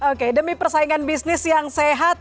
oke demi persaingan bisnis yang sehat